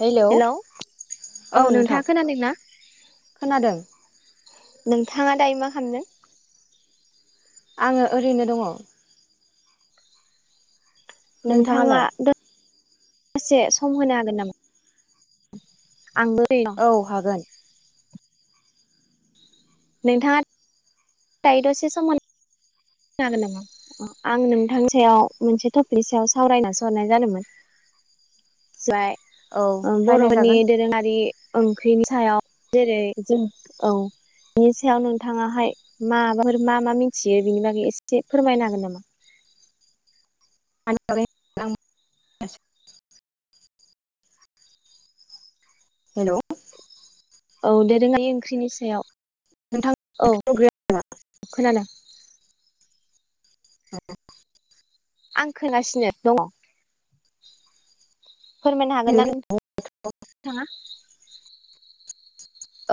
Hello औ औ नोंथाङा नोंथां खोनादों ना? खोनादों। नोंथाङा दायो मा खामदों? आङो ओरैनो दङ। नोंथाङा नोंथाङालाय दा दसे सम होनो हागोन नामा? आंबो ओरैनो औ हागोन। नोंथाङा दायो दसे समहोनो हागोन नामा आं नोंथांनि सायाव मोनसे टपिक सायाव सावरायना सोहरनाय जादोंमोन? जाय। औ ओं बर'नि रायलायजागोन दोरोङारि ओंख्रिनि सायाव जेरै जों औ बिनि सायाव नोंथाङाहाय माबाफोर मा-मा मिथियो? बिनि बागै एसे फोरमायनो हागोन नामा? [unintelligible] नोंथां हेलौ। औ दोरोङारि ओंख्रिनि सायाव। औ खोनादों। औ। आं खोनासिनो दङ। फोरमायनो हागोन ना नोंथां नोंथाङा?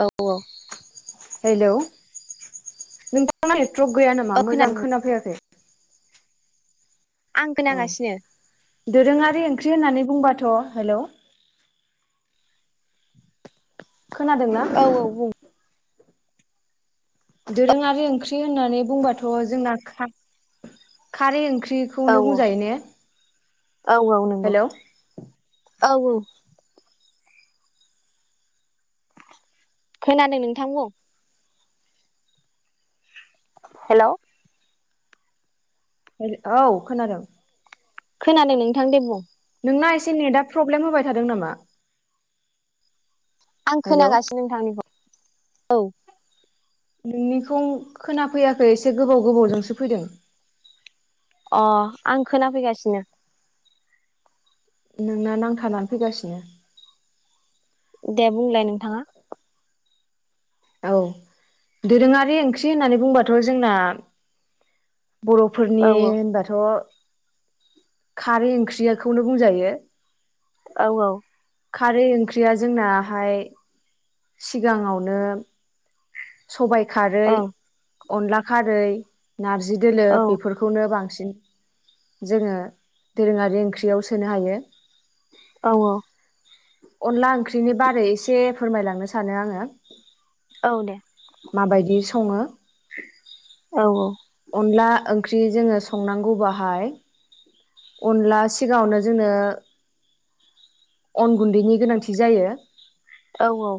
औ-औ। हेलौ दा मानि ट्रक गैया नामा औ मोजां खोनादों खोनाफैयाखै? आं औ खोनागासिनो दोरोङारि ओंख्रि होननानै बुंबाथ' हेलौ। खोनादोंना? औ औ बुं दोरोङारि ओंख्रि होननानै बुंबाथ' जोंना खा खारै ओंख्रि खौनो बुंजायो ने? औ-औ नोंगौ हेलौ औ-औ। खोनादों नोंथां बुं। हेलौ। औ खोनादों। खोनादों नोंथां देबुं। नोंना एसे नेट आ प्रब्लेम होबाय थादों नामा। आं हेलौ खोनागासिनो नोंथांनिखौ औ। नोंनिखौ खोनाफैयाखै एसे गोबाव गोबावजोंसो फैदों। अ आं खोनाफैगासिनो। नोंना नांथानानै फैगासिनो। दे बुंलाय नोंथाङा। औ दोरोङारि ओंख्रि होननानै बुंबाथ जोंना। बर'फोरनि औ होनबाथ'। खारै ओंख्रिखौनो बुंजायो। औ औ। खारै ओंख्रिया जोंनाहाय सिगाङावनो सबाय। खारै। ओं अनला खारै नारजि। दोलो औ बेफोरखौनो बांसिन बि जोङो दोरोङारि ओंख्रियाव सोनो हायो औ औ अनला ओंख्रि बेनि बारै फोरमायलांनो सानो आङो औ दे माबायदि सङो औ अनला ओंख्रि जोङो संनांगौबाहाय अनला सिगाङावनो जोङो अन गुन्दैनि गोनांथि जायो औ औ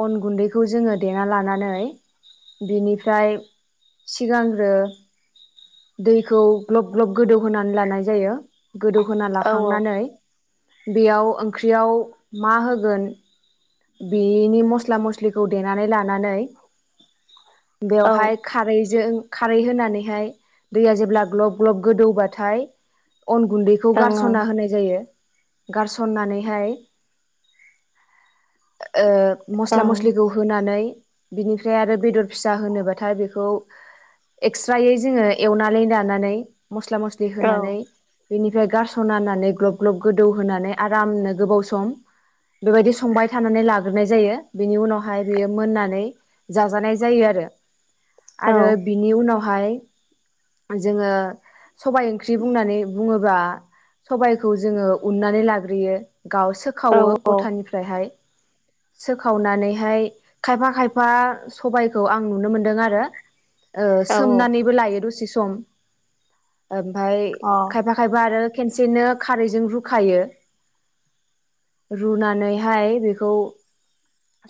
अन गुन्दैखौ जोङो देना लानानै बिनिफ्राय सिगां आरो दैखौ ग्लब ग्लब गोदौ होनोनानै लानाय जायो गोदौहोना औ लाखांनानै बेयाव ओंख्रियाव मा होगोन बेनि मस्ला मस्लिखौ देनानै लानानै औ बेवहाय ओं खारैजों खारै होनानैहाय दैया जेब्ला ग्लब ग्लब गोदौबाथाय अन गुन्दैखौ ओं गारस'ना होनाय जायो गारसननानैहाय ओ ओं औ मस्ला मस्लिखौ होनानै बिनिफ्राय आरो बेदर फिसा होनोबाथाय बेखौ एक्सट्रायै जोङो एवनानै लानानै मस्ला मस्लि औ होनानै बेनिफ्राय गारस'नानानै ग्लब ग्लब थानानै लाग्रोनाय जायो बेनि उनावहाय बेयो मोननानै जाजानाय जायो आरो आरो बिनि उनाव बेहाय जोङो सबाइ ओंख्रि बुंनानै बुङोब्ला सबायखौ जोङो उन्नानै लाग्रोयो गाव औ औ सोखावो अ औ गथानिफ्रायहाय सोखावनानैहाय खायफा खायफा सबायखौ आं नुनो मोनदों आरो ओ सोमनानैबो लायो रसि सम ओमफ्राय खायफा खायफा आरो खसेनो खार रुखायो रुनै बे खौ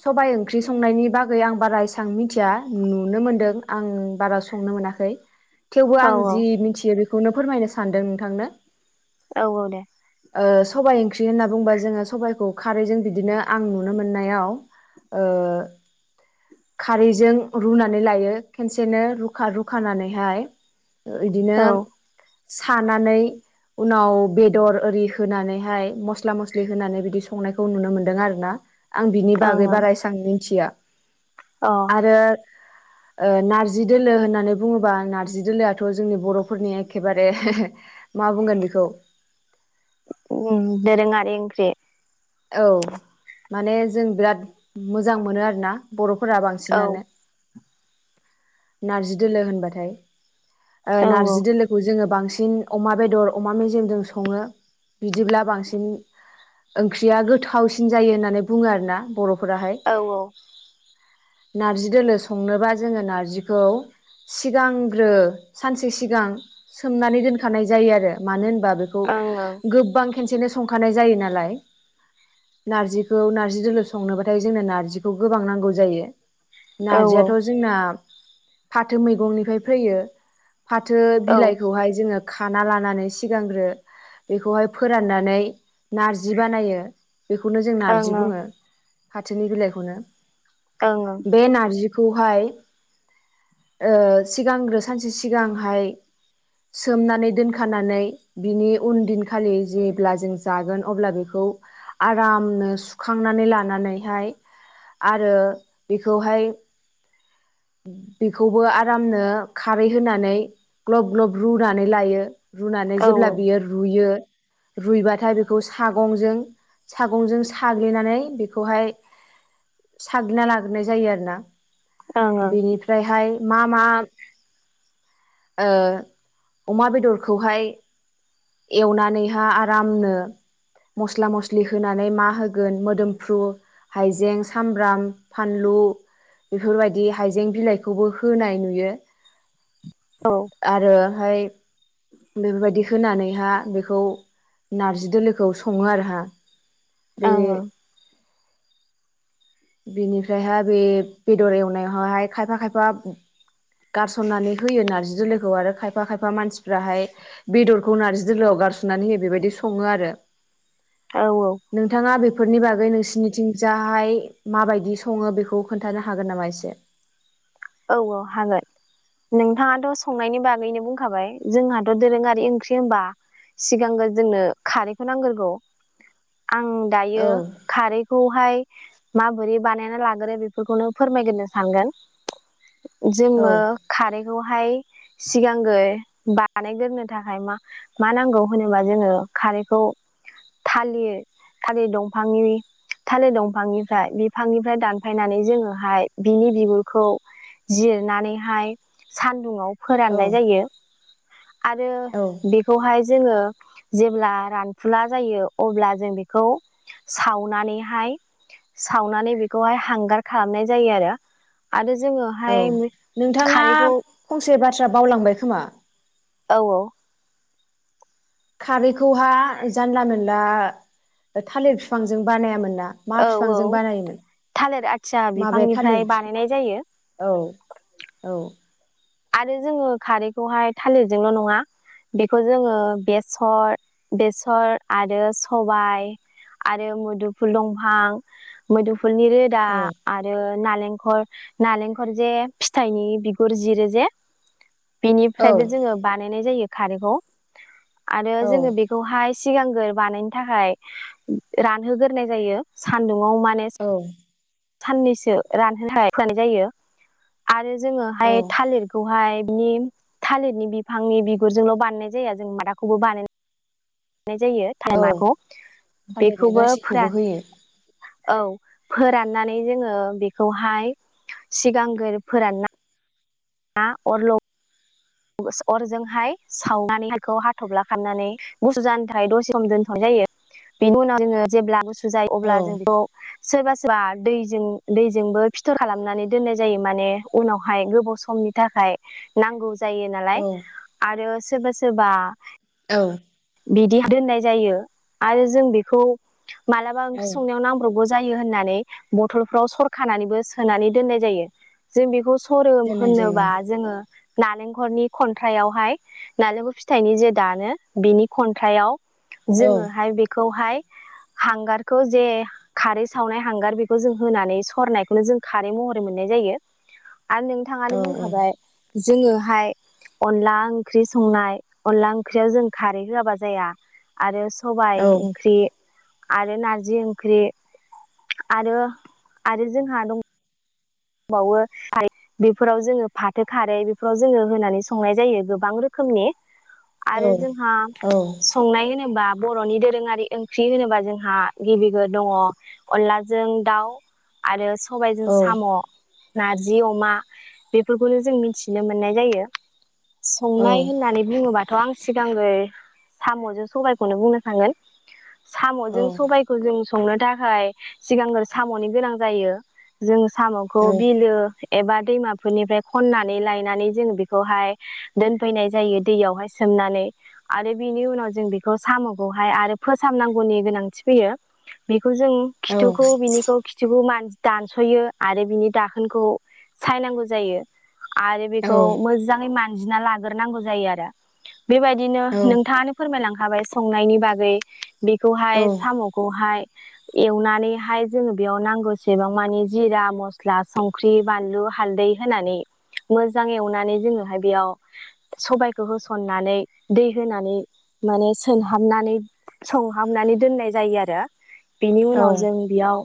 सबबाय ओंख्रि संनायनि बागै आं बारा एसबां मिथिया नुनो मोनदों आं बारा संनो मोनाखै थेवबो आं जि मिथियो बेखौ बेखौनो फोरमायनो सानदों नोंथांनो औ औ दे ओ सबाइ ओंख्रि होनना बुंङोबा जोङो सबाइखौ खारैजों बिदिनो आं नुनो मोननायाव ओ खारैजों रुनानै लायो खेनसेनो रुखा रुखानानै हाय इदिनो औ सानानै उनाव बेदर ओरि होनानैहाय मस्ला मस्लि होनानै बिदि संनायखौ नुनो मोनदों आरो [unintelligible] आं बिनि बागै बारा एसां मिनथिया ओं आरो ओ नारजि दोलो होननानै बुङोबा नारजि दोलोआथ' जोंनि बरफोरनि एखेबारे मा बुंगोन बेखौ गुबुन दोरोङारि ओंख्रि औ माने जों बिराद मोजां मोनो आरोना बर' फोरा औ बांसिनानो नारजि दोलो होनबाथाय ओ औ औ नारजि दोलोखौ जों बांसिन सिन अमा बेदर अमा मेजेमजों सङो बिदिब्ला बांसिन ओं ख्रिया गोथावसिन जायो होन्नानै बुङो आरोना बर' औ औ नार्जि दोलो संनोबा जोङो नार्जिखौ सिगांग्रो सानसे सिगां सोमनानै दोनखानाय जायो आरो मानो होन बा बेखौ ओं गोबां खेनसेनो संखानाय जायो नालाय नारजि खौ नारजि दोलो संनोबाथाय जोंनो नारजिखौ गोबां नांगौ जायो औ नारजियाथ जोंना फाथो मैगंनिफ्राय फैयो फाथो औ ओं बिलाइखौ हाय जोंङो खाना लानानै सिगांग्रो बेखौहाय फोराननानै नारजि बानायो [unintelligible] बेखौनो जों ओं नारजि ओं बुंङो फाथोनि बिलाइखौनो ओं औ बेे नारजि बेखौहाय ओ सिगांग्रो सानसे सिगांहाय सोमनानै दोनखानानै बिनि उन दिनखालि जेब्ला जों जागोन अब्ला बेखौ आरामनो सुखांनानै लानानैहाय आरो बेखौहाय बेखौबो आरामनो खारै होनानै ग्लब ग्लब रुनानै लायो रुनानै औ जेब्ला ओं बियो रुइयो रुइबाथाय बेखौ सागंजों सागंजों साग्लिनानै बेखौहाय साग्लिना लाग्रोनाय जायो आरोना ओं औ बेनिफ्राय हाय मा मा ओ अमा बेदरखौहाय एवनानै आरामनो मसला मसलि मसलि होनानै मा होगोन मोदोमफ्रु हायजें सामब्राम फानलु बेफोरबायदि हाइजें बिलाइखौबो होनाय नुयो ओं आरो हाय बेफोरबायदि होनानैहा बेखौ नारजि दोलोखौ संङो आरो हा बे ओं औ बेनिफ्रायहाय बे बेदर एवनायावहाय खायफा खायफा गारसननानै होयो नार्जि दोलोखौ आरो खायफा खायफा मानसिफ्राहाय बेदरखौ नार्जि दोलोआव गारसननानै होयो बेबायदि संङो आरो औ नोंथाङा बे बेफोरनि बागै नोंसोरनिथिंजाय माबायदि संङो बेखौ खोन्थानो हागोन नामा एसे औ औ हागोन नोंथाङाथ‌संनायनि बागैनो बुंखाबाय जोंहाथ' दोरोंङारि ओंख्रि होनबा सिगांग्रो जोंनो खारैखौ नांग्रोगौ आं दायो औ खारै खौहाय माबोरै बानायना लाग्रो बेफोरखौनो फोरमायग्रो सानगोन औ जोंङो खारै बेखौहाय सिगांग्रो बानायग्रो थाखाय मा मा नांगौ होनोबा जोंङो खारैखौ थालिर थालिर दंफांनि थालिर दंफांनिफ्राय बिफांनिफ्राय दानफायनानै जोंङो हाय बिनि बिगुरखौ जिरनानैहाय सान्दुंङाव औ फोराननाय जायो आरो औ बेखौहाय जोंङो जेब्ला रानफुला जायो अब्ला जों बेखौ सावनानैहाय सावनानै बेखौहाय हांगार खालामनाय जायो आरो आरो औ जोङोहाय नोंथांङा खारैखौ फंसे बाथ बाथ्रा बावलांबाय खोमा औ औ खारैखौहा जानला-मोनला थालिर बिफांजों बानायामोन ना। मा औ बिफांजों औ बानायोमोन थालिर आथिया माबे थालिर बिफांनिफ्राय फिजां? बानायनाय जायो औ- औ आरो जोङो खारैखौहाय थालिरजोंल' नङा बेखौ जोङो बेसर, बेसर आरो सबाय आरो मोदुफुल दंफां। मोदु फुलनि रोदा औ आरो नालेंखर, नालेंखर जे फिथाइनि बिगुर जिरो जे औ बेनिफ्रायबो जोङो बानायनाय जायो। खारैखौ। आरो औ जोङो बेखौहाय सिगांग्रो बानायनो थाखाय रानहोग्रोनाय जायो सानदुं आव माने औ साननैसो रानहोनो थाखाय होनाय जायो। आरो औ जोङोहाय थालिरखौहाय बिनि थालिरनि बिफांनि बिगुरजोंल' बानायनाय जाया जों मादाखौबो बानायनाय नाय जायो। औ थाइएमाखौ थालिरनि बेखौबो गासैखौबो फोरान होयो औ फोराननानै जोङो बेखौहाय सिगांगोर फोरानना ना अरल'गाय बासो अरजोंहाय सावनानै होखौ हाथल्फा खाननानै गुसु जानो थाखाय दसे सम दोनथ'नाय जायो। बिनि उनाव जोङो जेब्ला गुसु जायो औ अब्ला जों बेखौ सोरबा दैजों, दैजोंबो फिथर खालामनानै दोननाय जायो। माने उनावहाय गोबाव समनि थाखाय नांगौ जायो नालाय औ आरो सोरबा-सोरबा औ। बिदि दोननाय जायो आरो जों बेखौ माब्लाबा ओंख्रि औ संनायाव नांब्रबगौ जायो होननानै बथलफ्राव सरखानानैबो सोनानै दोननाय जायो। जों बेखौ स रो दोननाय होनोबा जायो जोङो नालेंखलनि खन्थ्रायावहाय नालेंखर फिथाइनि जे दानो बिनि खन्थ्रायाव औ जोङोहाय बेखौहाय हांगारखौ जे खारै सावनाय हांगार बेखौ जों होनानै सरनायखौनो जों खारै महरै मोननाय जायो। आरो नोंथाङानो औ औ बुंखाबाय जोङोहाय अनला ओंख्रि संनाय, अनला ओंख्रियाव जों खारै होयाबा जाया आरो सबाय औ ओंख्रि, आरो नारजि ओंख्रि आरो आरो जोंहा दं बावो बेफोराव जोङो फाथो खारै बेफोराव जोङो होनानै संनाय जायो गोबां रोखोमनि आरो औ जोंहा औ संनाय होनोबा बर'नि दोरोङारि ओंख्रि होनोबा जोंहा गिबि गो दङ अनलाजों दाउ आरो सबायाइजों औ साम' नारजि अमा बेफोरखौनो जों मिनथिनो मोननाय जायो औ संनाय होननानै बुङोबा थ' आं सिगांगोर साम'जों सबायखौनो बुंनो थांगोन साम'जों औ सबायखौ जों संनो थाखाय सिगांग्रो साम'नि गोनां जायो जों साम खौ बिलो एबा दैमाफोरनिफ्राय खननानै लायनानै जोङो बेखौहाय दोनफैनाय जायो दैयावहाय सोमनानै आरो बिनि उनाव जों बेखौ साम'खौहाय आरो फोसाबनांगौनि गोनांथि फैयो बि बेखौ जों खिथुखौ बिनिखौ खिथुखौ मानजि दानस'यो आरो बिनि दाखोनखौ सायनांगौ जायो आरो बेखौ मोजाङै मा मानजिना लाग्रोनांगौ जायो आरो बेबायदिनो नोंथाङानो फोरमायलां खाबाय संनायनि बागै बेखौहाय साम'खौहाय एवनानैहाय जोङो बेयाव नांगौसेबां मानि जिरा मस स्ला संख्रि बानलु हालदै होनानै मोजां एवनानै जोङोहाय बेयाव सबायखौ होसननानै दै होनानै माने सोनहाबनानै संहाबनानै दोननाय जायो आरो बेनि उनाव जों बेयाव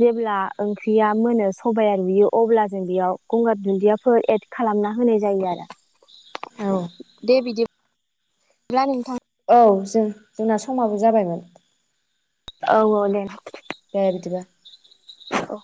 जेब्ला ओंख्रिया मोनो सबाया रुयो अब्ला जों बेयाव गंगार दुन्दियाफोर एद खालामना होनाय जायोआरो औ दे बिदि ब्ला नोंथां औ जों जोंना समाबो जाबायमोन औ औ दे दे बिदिबा औ